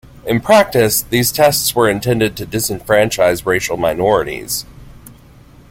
In practice, these tests were intended to disenfranchise racial minorities.